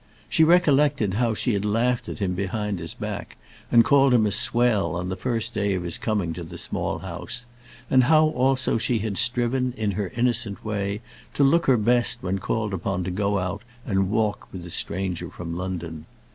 She recollected how she had laughed at him behind his back, and called him a swell on the first day of his coming to the Small House, and how, also, she had striven, in her innocent way, to look her best when called upon to go out and walk with the stranger from London.